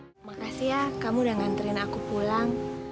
terima kasih ya kamu udah nganterin aku pulang